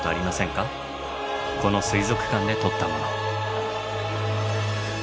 この水族館で撮ったもの。